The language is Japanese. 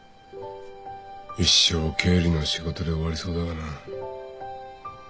一生経理の仕事で終わりそうだがな。